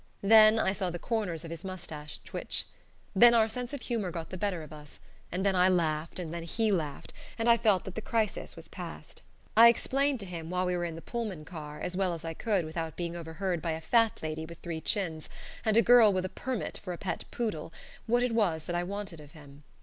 Then I saw the corners of his mustache twitch. Then our sense of humor got the better of us, and then I laughed, and then he laughed, and I felt that the crisis was passed. I explained to him while we were in the Pullman car, as well as I could without being overheard by a fat lady with three chins, and a girl with a permit for a pet poodle, what it was that I wanted of him.